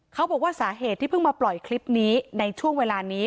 เขาบอกว่าสาเหตุที่เพิ่งมาปล่อยคลิปนี้ในช่วงเวลานี้